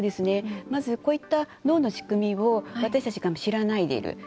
まず、こういった脳の仕組みを私たちが知らないでいる。